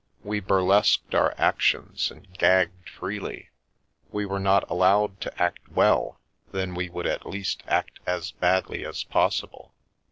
We burlesqued our actions and " gagged " freely — we were not allowed to act well, then we would at least act as badly as possible.